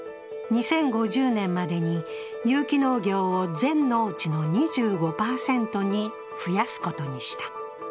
２０５０年までに有機農業を全農地の２５％に増やすことにした。